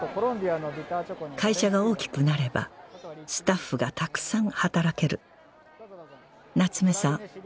会社が大きくなればスタッフがたくさん働ける夏目さん